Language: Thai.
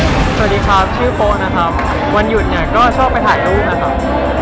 สวัสดีครับชื่อโป๊ะนะครับวันหยุดเนี่ยก็ชอบไปถ่ายรูปนะครับ